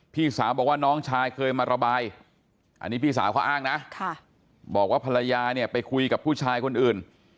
พี่สาวบอกว่าน้องชายเคยมาระบายอันนี้พี่สาวเขาอ้างนะบอกว่าภรรยาเนี่ยไปคุยกับผู้ชายคนอื่น